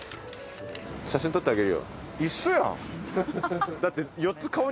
写真撮ってあげるよ。